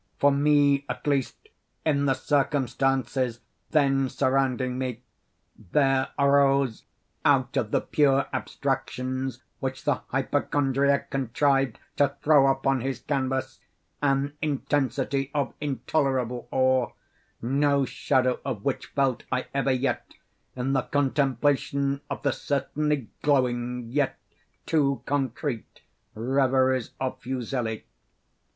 For me at least—in the circumstances then surrounding me—there arose out of the pure abstractions which the hypochondriac contrived to throw upon his canvass, an intensity of intolerable awe, no shadow of which felt I ever yet in the contemplation of the certainly glowing yet too concrete reveries of Fuseli.